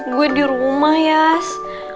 gue dirumah yas